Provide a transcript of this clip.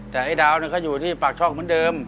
แต่ไอ้ดาวก็อยู่ที่ปากช่องเหมือนเดิม